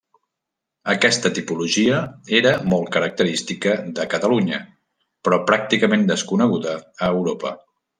Aquesta tipologia era molt característica de Catalunya però pràcticament desconeguda a Europa.